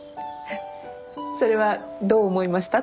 それはどう思いました？